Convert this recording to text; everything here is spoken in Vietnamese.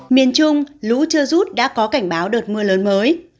miền trung lũ chưa rút đã có cảnh báo đợt mưa lớn mới